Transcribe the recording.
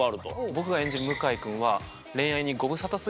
僕が演じる向井君は。